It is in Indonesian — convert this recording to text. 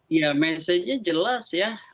iya mesejnya jelas ya